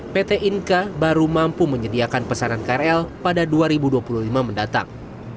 pt inka baru mampu menyediakan pesanan krl pada dua ribu dua puluh lima mendatang